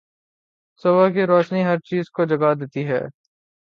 صبح کی روشنی ہر چیز کو جگا دیتی ہے۔